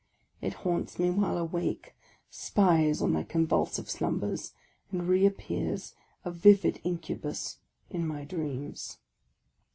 It haunts me while awake, spies on my con vulsive slumbers, and re appears, a vivid incubus, in my dreams